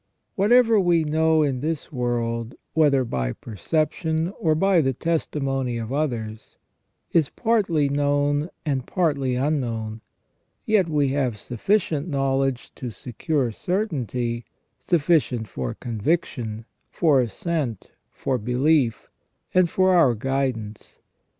Whatever we know in this world, whether by perception or by the testimony of others, is partly known and partly unknown ; yet we have sufficient knowledge to secure certainty, sufficient for conviction, for assent, for belief, and for our guidance.